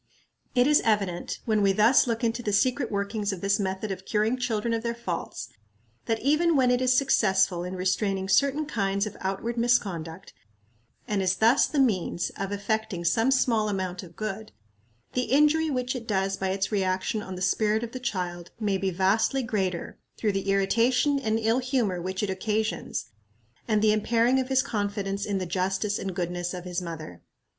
It is evident, when we thus look into the secret workings of this method of curing children of their faults, that even when it is successful in restraining certain kinds of outward misconduct, and is thus the means of effecting some small amount of good, the injury which it does by its reaction on the spirit of the child may be vastly greater, through the irritation and ill humor which it occasions, and the impairing of his confidence in the justice and goodness of his mother.